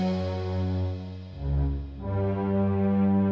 orang baru guru